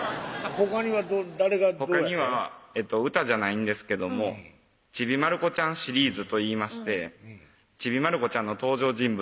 ほかには歌じゃないんですけどもちびまる子ちゃんシリーズといいましてちびまる子ちゃんの登場人物